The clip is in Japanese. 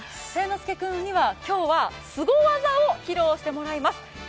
介君には、今日はすご技を披露してもらいます。